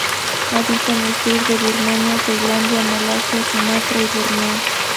Habita en el sur de Birmania, Tailandia, Malasia, Sumatra y Borneo.